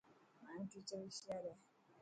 مايو ٽيچر هوشيار هي.